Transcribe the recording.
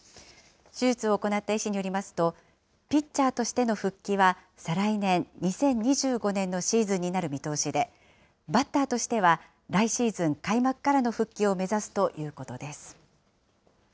手術を行った医師によりますと、ピッチャーとしての復帰は再来年・２０２５年のシーズンになる見通しで、バッターとしては、来シーズン開幕からの復帰を目指すということです。